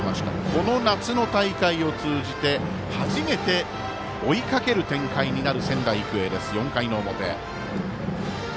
この夏の大会を通じて初めて追いかける展開になる仙台育英４回の表。